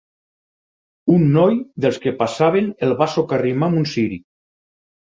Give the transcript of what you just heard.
Un noi dels que passaven el va socarrimar amb un ciri